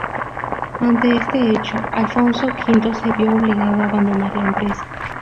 Ante este hecho, Alfonso V se vio obligado a abandonar la empresa.